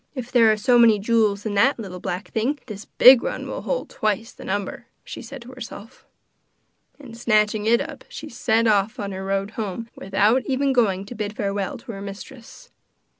'If there are so many jewels in that little black thing, this big red one will hold twice the number,' she said to herself; and snatching it up she set off on her road home without even going to bid farewell to her mistress.